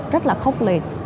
rất là khốc liệt